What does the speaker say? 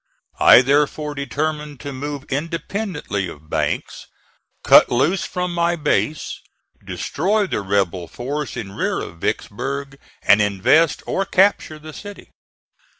I therefore determined to move independently of Banks, cut loose from my base, destroy the rebel force in rear of Vicksburg and invest or capture the city.